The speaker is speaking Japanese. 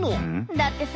だってさ。